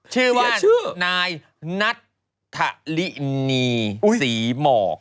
ชื่อว่าชื่อนายนัทธลินีศรีหมอก